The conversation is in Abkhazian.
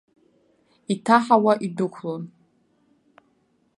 Иҭаҳауа идәықәлон.